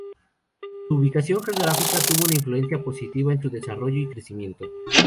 Su ubicación geográfica tuvo una influencia positiva en su desarrollo y crecimiento.